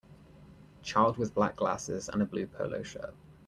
Child with black glasses and a blue polo shirt.